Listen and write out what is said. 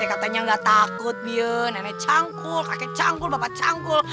pak rt katanya gak takut nenek canggul kakek canggul bapak canggul